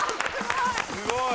すごい！